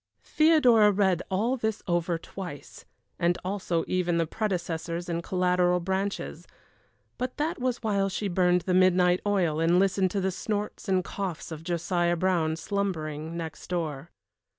Theodora read all this over twice, and also even the predecessors and collateral branches but that was while she burned the midnight oil and listened to the snorts and coughs of Josiah Brown, slumbering next door.